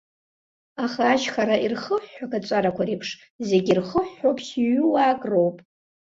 Аха ашьхара ирхыҳәҳәо акаҵәарақәа реиԥш, зегьы ирхыҳәҳәо ԥшьҩыуаак роуп.